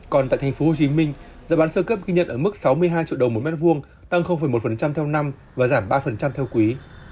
còn tại tp hcm giá bán sơ cấp ghi nhận ở mức sáu mươi hai triệu đồng một mét vuông tăng một theo năm và giảm ba theo quý